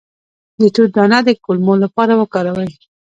د توت دانه د کولمو لپاره وکاروئ